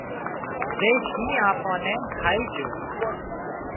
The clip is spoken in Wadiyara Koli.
زي شينهن آپان نين کائي جھو